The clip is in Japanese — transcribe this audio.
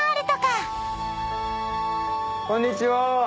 こんにちは。